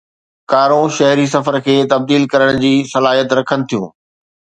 ڪارون شهري سفر کي تبديل ڪرڻ جي صلاحيت رکن ٿيون